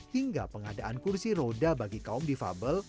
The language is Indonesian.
hingga pengadaan kursi roda bagi kaum difabel